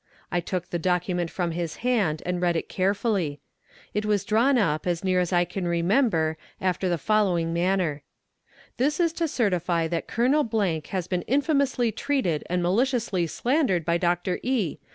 I took the document from his hand and read it carefully. It was drawn up, as near as I can remember after the following manner: "This is to certify that Colonel has been infamously treated and maliciously slandered by Doctor E.